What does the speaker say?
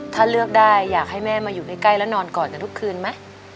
ถ้าเลือกได้อยากให้แม่มาอยู่ใกล้แล้วนอนกอดกันทุกคืนไหม